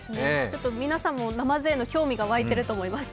皆さんもナマズへの興味がわいていると思います。